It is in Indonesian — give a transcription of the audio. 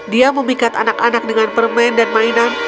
dia memikat anak anak dengan permen dan mainan